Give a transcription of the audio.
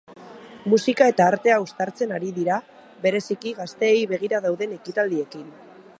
Musika eta artea uztartzen ari dira, bereziki gazteei begira dauden ekitaldiekin.